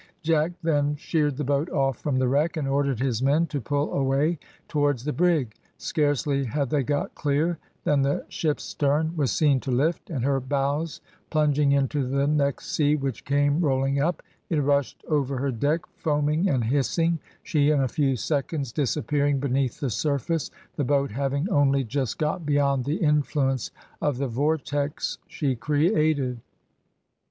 Jack then sheered the boat off from the wreck, and ordered his men to pull away towards the brig. Scarcely had they got clear than the ship's stern was seen to lift, and her bows plunging into the next sea which came rolling up, it rushed over her deck foaming and hissing, she in a few seconds disappearing beneath the surface, the boat having only just got beyond the influence of the vortex she created.